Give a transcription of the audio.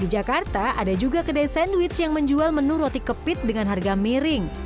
di jakarta ada juga kedai sandwich yang menjual menu roti kepit dengan harga miring